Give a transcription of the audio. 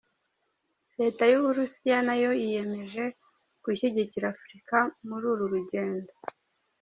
Leta y’u Burusiya nayo yiyemeje gushyigikira Afurika muri uru rugendo.